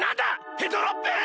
ヘドロッペン？